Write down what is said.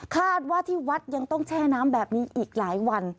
คาดว่าที่วัดยังต้องแช่น้ำแบบนี้อีกหลายวัน